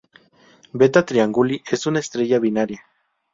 Beta Trianguli es una estrella binaria.